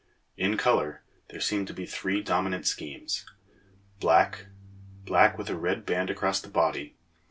7). In colour, there seem to be three dominant schemes: Black (cf. pl. B, fig. 17); black with a red band across the body (cf.